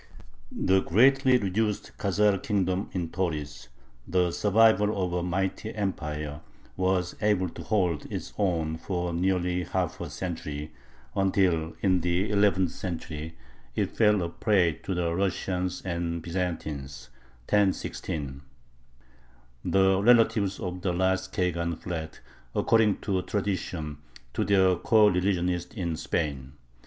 The greatly reduced Khazar kingdom in Tauris, the survival of a mighty empire, was able to hold its own for nearly half a century, until in the eleventh century it fell a prey to the Russians and Byzantines (1016). The relatives of the last khagan fled, according to tradition, to their coreligionists in Spain.